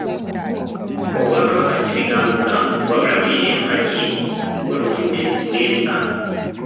Obwakabaka ssi bigambo bugambo wabula bulina empagi kwebutudde ng'ebika.